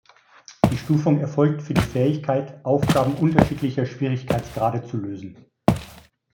Die Stufung erfolgt für die Fähigkeit, Aufgaben unterschiedlicher Schwierigkeitsgrade zu lösen.